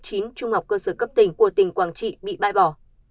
trung học cơ sở cấp tỉnh của tỉnh quảng trị bị bãi bỏ